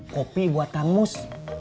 kopi buat kangmus